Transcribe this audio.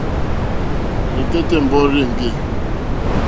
Rzɛ̀kɛ́tɛ́ mbúrzà èŋɡê.